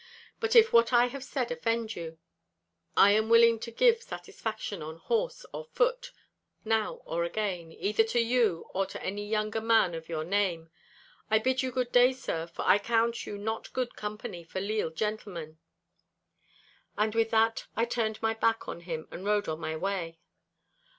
But if what I have said offend you, I am willing to give satisfaction on horse or foot, now or again, either to you or to any younger man of your name. I bid you good day, sir, for I count you not good company for leal gentlemen.' And with that I turned my back on him, and rode on my way.